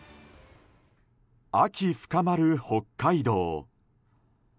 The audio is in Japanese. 秋深まる北海道。